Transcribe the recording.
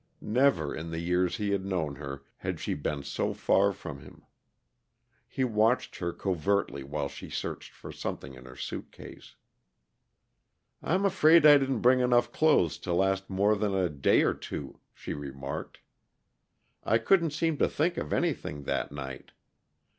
Never, in the years he had known her, had she been so far from him. He watched her covertly while she searched for something in her suit case. "I'm afraid I didn't bring enough clothes to last more than a day or two," she remarked. "I couldn't seem to think of anything that night.